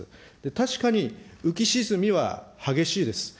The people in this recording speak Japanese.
確かに浮き沈みは激しいです。